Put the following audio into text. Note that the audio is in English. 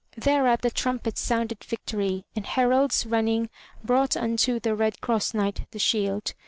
Thereat the trumpets sounded victory, and heralds, running, brought unto the Red Cross Knight the shield.